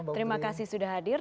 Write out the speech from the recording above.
terima kasih sudah hadir